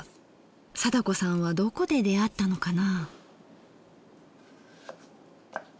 貞子さんはどこで出会ったのかな。